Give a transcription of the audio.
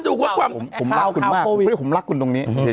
ผมรักคุณมากเพราะฉะนั้นผมรักคุณตรงนี้